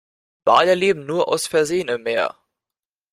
Wale leben nur aus Versehen im Meer.